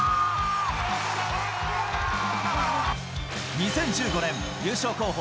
２０１５年、優勝候補